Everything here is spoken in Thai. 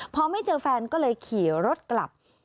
พอไม่เจอแฟนก็เลยขี่รถกลับ